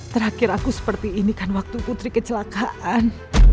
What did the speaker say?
terakhir aku seperti ini kan waktu putri kecelakaan